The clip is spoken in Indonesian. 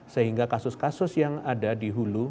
sehingga kasus kasus yang ada di hulu